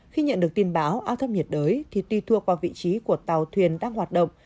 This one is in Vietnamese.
khi nhận được tin báo áp thấp nhiệt đới thì tuy thuộc vào vị trí của tàu thuyền đang hoạt động